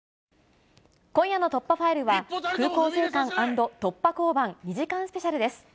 今夜の突破ファイルは、空港税関＆突破交番２時間スペシャルです。